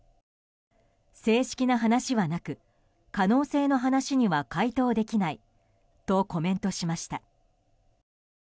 正式な話はなく可能性の話には回答できないとコメントしました。